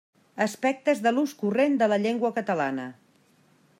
Aspectes de l'ús corrent de la llengua catalana.